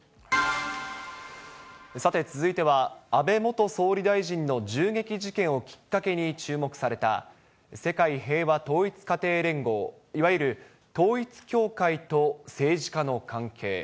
さて、続いては安倍元総理大臣の銃撃事件をきっかけに注目された、世界平和統一家庭連合、いわゆる統一教会と政治家の関係。